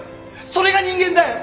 それが人間だよ！